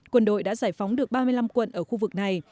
quân đội đã giải phóng được ba mươi năm quận ở khu vực này